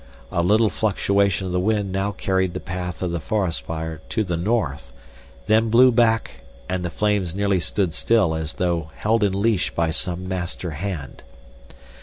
A little fluctuation of the wind now carried the path of the forest fire to the north, then blew back and the flames nearly stood still as though held in leash by some master hand.